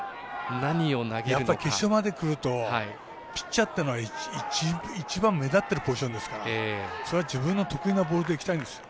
やっぱり決勝までくるとピッチャーというのは一番目立ってるポジションですからそれは自分の得意なボールでいきたいですよ。